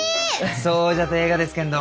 そうじゃとえいがですけんど。